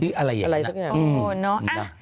ชื่ออะไรสักอย่างโอ้โฮเนอะ